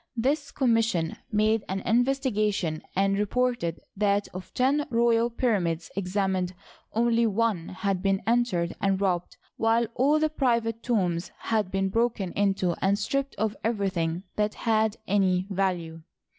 This commission made an investigation, and reported that of ten royal pyramids examined only one had been entered and robbed, while all the private tombs had been broken into and stripped of everything that had any value.